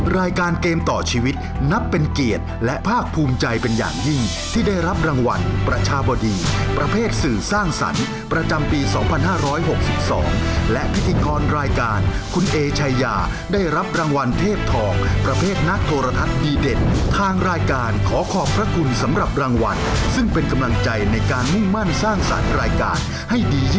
รายการเกมต่อชีวิตนับเป็นเกียรติและภาคภูมิใจเป็นอย่างยิ่งที่ได้รับรางวัลประชาบดีประเภทสื่อสร้างสรรค์ประจำปี๒๕๖๒และพิธีกรรายการคุณเอชายาได้รับรางวัลเทพทองประเภทนักโทรทัศน์ดีเด่นทางรายการขอขอบพระคุณสำหรับรางวัลซึ่งเป็นกำลังใจในการมุ่งมั่นสร้างสรรค์รายการให้ดี